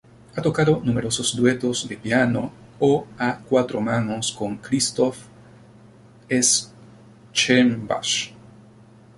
Ha tocado numerosos duetos de piano o a cuatro manos con Christoph Eschenbach.